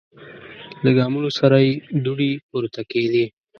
له ګامونو سره یې دوړې پورته کیدې.